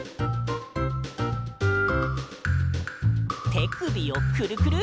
てくびをクルクル。